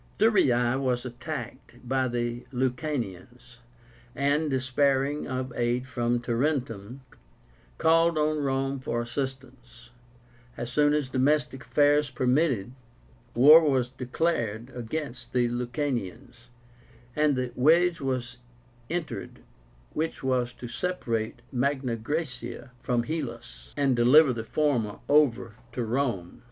Thurii was attacked by the Lucanians, and, despairing of aid from Tarentum, called on Rome for assistance. As soon as domestic affairs permitted, war was declared against the Lucanians, and the wedge was entered which was to separate Magna Graecia from Hellas, and deliver the former over to Rome.